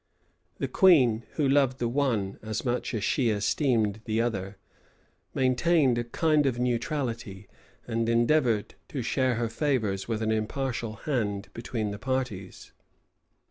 The queen, who loved the one as much as she esteemed the other, maintained a kind of neutrality, and endeavored to share her favors with an impartial hand between the parties.